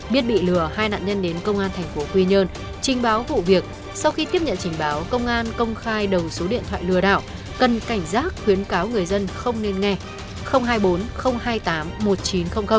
biết bị lừa hai nạn nhân đến công an tp quy nhơn trình báo vụ việc sau khi tiếp nhận trình báo công an công khai đầu số điện thoại lừa đảo cần cảnh giác khuyến cáo người dân không nên nghe